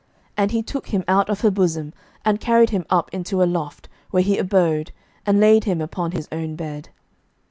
And he took him out of her bosom, and carried him up into a loft, where he abode, and laid him upon his own bed.